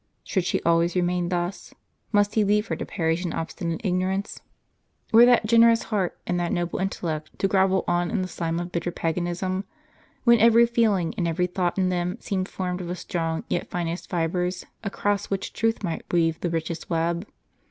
Should she always remain thus? Must he leave her to perish in obstinate ignorance ? Were that generous heart, and that noble intellect, to grovel on in the slime of bitter paganism, when every feeling and every thought in them seemed formed of strong yet finest fibres, across which truth might weave the richest web